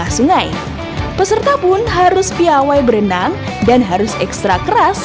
kita pun harus piawai berenang dan harus ekstra keras